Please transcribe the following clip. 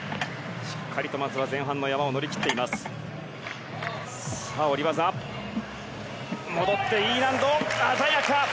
しっかりとまずは前半の山を乗り切っています。